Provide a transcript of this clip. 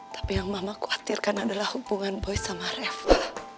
tapi yang mama khawatirkan adalah hubungan boy sama reva